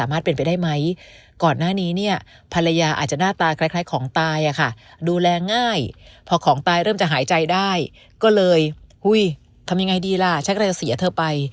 ไม่ดีล่ะฉันก็เลยจะเสียเธอไป